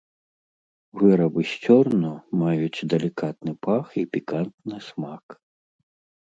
Вырабы з цёрну маюць далікатны пах і пікантны смак.